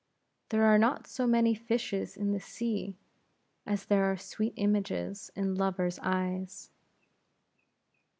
There are not so many fishes in the sea, as there are sweet images in lovers' eyes.